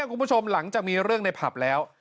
คุณผู้ชมหลังจากมีเรื่องในผับแล้ว